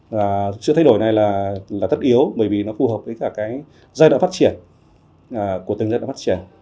và sự thay đổi này là tất yếu bởi vì nó phù hợp với cả cái giai đoạn phát triển của từng giai đoạn phát triển